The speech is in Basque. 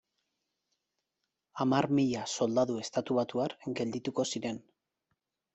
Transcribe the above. Hamar mila soldadu estatubatuar geldituko ziren.